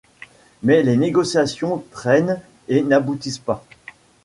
Mais les négociations trainent et n'aboutissent pas.